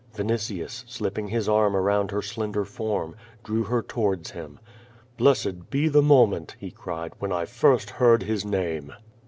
Vinitius, slipping his arm around her slender form, drew her towards him. "iilessed be the moment," he cried, "when I first heard His name."